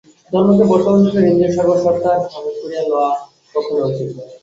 ধর্মকে বর্তমান যুগের ইন্দ্রিয়-সর্বস্বতার সহায়ক করিয়া লওয়া কখনই উচিত নহে।